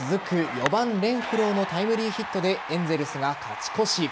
４番・レンフローのタイムリーヒットでエンゼルスが勝ち越し。